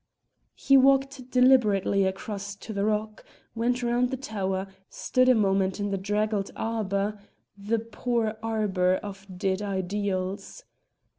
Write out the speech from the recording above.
He walked deliberately across to the rock, went round the tower, stood a moment in the draggled arbour the poor arbour of dead ideals.